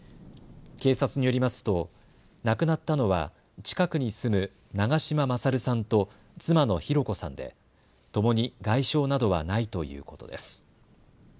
警察によりますと亡くなったのは近くに住む長嶋勝さんと妻の弘子さんでともに外傷などはないということです。